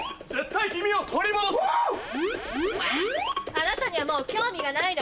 あなたにはもう興味がないの。